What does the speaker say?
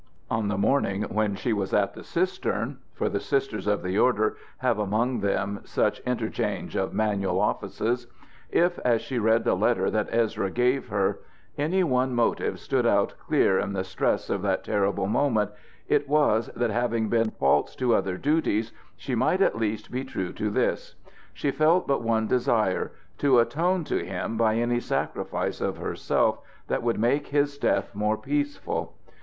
On the morning when she was at the cistern for the Sisters of the Order have among them such interchange of manual offices if, as she read the letter that Ezra gave her, any one motive stood out clear in the stress of that terrible moment, it was, that having been false to other duties she might at least be true to this. She felt but one desire to atone to him by any sacrifice of herself that would make his death more peaceful.